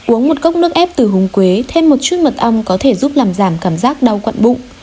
uống một cốc nước ép từ hống quế thêm một chút mật ong có thể giúp làm giảm cảm giác đau quặn bụng